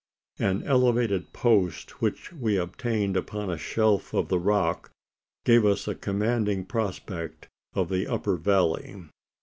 An elevated post which we obtained upon a shelf of the rock gave us a commanding prospect of the upper valley.